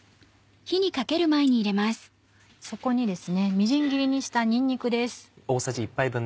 みじん切りにしたにんにくです。